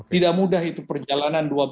tidak mudah itu perjalanan